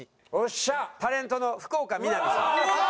タレントの福岡みなみさん。